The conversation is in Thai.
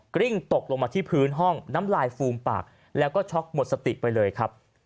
กริ้งตกลงมาที่พื้นห้องน้ำลายฟูมปากแล้วก็ช็อกหมดสติไปเลยครับ